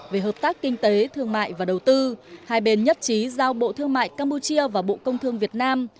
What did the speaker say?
về hợp tác kinh tế thương mại và đầu tư hai bên nhất trí giao bộ thương mại campuchia và bộ công thương việt nam